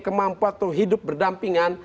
kemampuan untuk hidup berdampingan